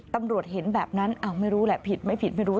ตำรวจเห็นแบบนั้นอ้าวไม่รู้แหละผิดไม่ผิดไม่รู้